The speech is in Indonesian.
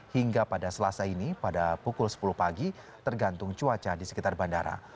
hingga pada selasa ini pada pukul sepuluh pagi tergantung cuaca di sekitar bandara